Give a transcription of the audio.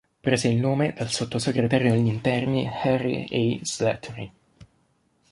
Prese il nome dal sottosegretario agli Interni Harry A. Slattery.